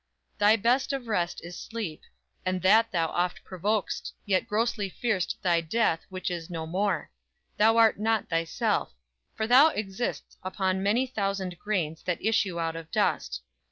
Thy best of rest is sleep, And that thou oft provok'st; yet grossly fear'st Thy death, which is no more. Thou art not thyself; For thou exist'st on many thousand grains That issue out of dust.